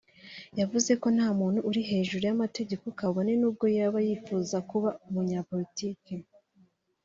yavuze ko nta muntu uri hejuru y’amategeko kabone n’ubwo yaba yifuza kuba umunyapolitiki